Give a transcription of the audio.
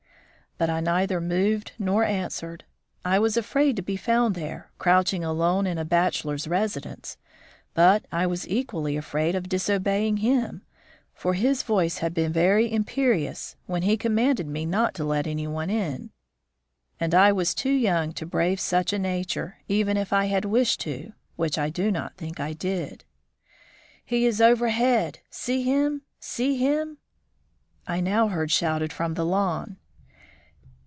But I neither moved nor answered. I was afraid to be found there, crouching alone in a bachelor's residence, but I was equally afraid of disobeying him, for his voice had been very imperious when he commanded me not to let any one in; and I was too young to brave such a nature, even if I had wished to, which I do not think I did. "He is overhead! See him see him!" I now heard shouted from the lawn.